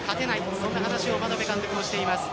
そんな話を眞鍋監督はしています。